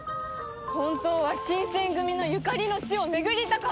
本当は新選組のゆかりの地を巡りたかったのに！